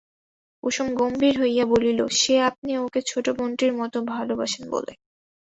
কুসুম গম্ভীর হইয়া বলিল, সে আপনি ওকে ছোটবোনটির মতো ভালোবাসেন বলে।